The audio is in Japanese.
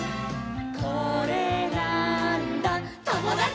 「これなーんだ『ともだち！』」